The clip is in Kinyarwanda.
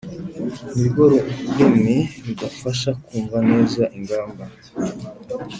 Ni rwo rurimi rudufasha kumva neza ingamba